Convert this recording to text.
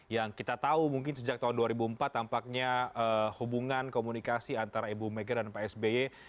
yang kita tahu mungkin sejak tahun dua ribu empat tampaknya hubungan komunikasi antara ibu mega dan pak sby